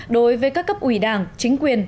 đối với các cấp ủy đảng chính quyền